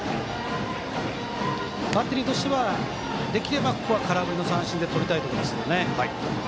バッテリーとしてはできれば、ここは空振り三振にとりたいところですね。